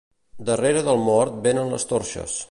Darrere del mort venen les torxes.